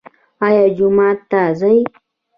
ایا جومات ته ځئ؟